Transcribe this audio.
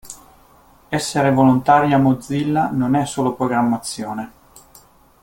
Essere volontaria Mozilla non è solo programmazione.